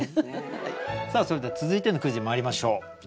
さあそれでは続いてのクイズにまいりましょう。